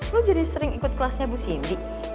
lo jadi sering ikut kelasnya bu sindi